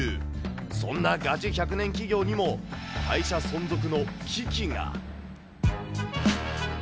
そんなガチ１００年企業にも会社存続の危機が。